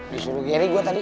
disuruh geri gue tadi